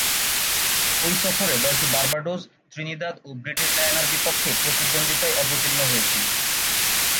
ঐ সফরে দলটি বার্বাডোস, ত্রিনিদাদ ও ব্রিটিশ গায়ানার বিপক্ষে প্রতিদ্বন্দ্বিতায় অবতীর্ণ হয়েছিল।